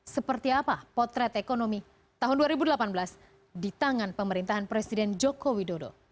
seperti apa potret ekonomi tahun dua ribu delapan belas di tangan pemerintahan presiden joko widodo